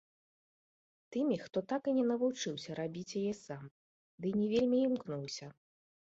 Тымі, хто так і не навучыўся рабіць яе сам, дый не вельмі імкнуўся.